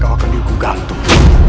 kau akan dihukum gantung